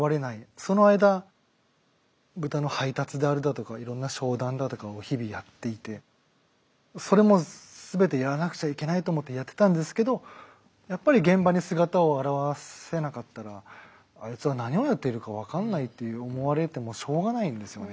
その間豚の配達であるだとかいろんな商談だとかを日々やっていてそれも全てやらなくちゃいけないと思ってやってたんですけどやっぱり現場に姿を現せなかったらあいつは何をやっているか分かんないって思われてもしょうがないんですよね。